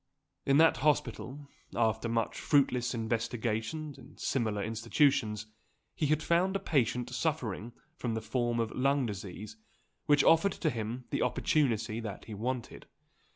In that hospital, after much fruitless investigation in similar institutions, he had found a patient suffering from the form of lung disease, which offered to him the opportunity that he wanted.